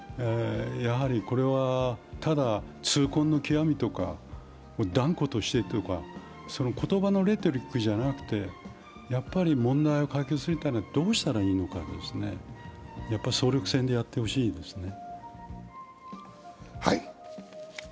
これはただ痛恨の極みとか、断固としてとか、言葉のレトリックじゃなくて問題を解決するためにはどうしたらいいのか、総力戦でやってほしいですね。